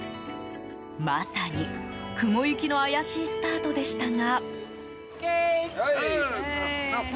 まさに、雲行きの怪しいスタートでしたが。